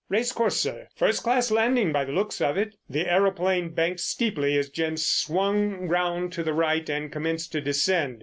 "Racecourse, sir. First class landing by the looks of it." The aeroplane banked steeply as Jim swung round to the right and commenced to descend.